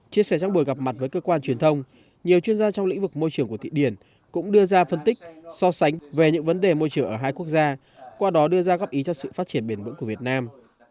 chia sẻ trong buổi gặp mặt với cơ quan truyền thông nhiều chuyên gia trong lĩnh vực môi trường của thụy điển cũng đưa ra phân tích so sánh về những vấn đề môi trường ở hai quốc gia qua đó đưa ra góp ý cho sự phát triển bền vững của việt nam